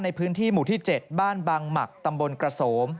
ในพื้นที่หมู่ที่๗บ้านบางหมักตำบลกระโสม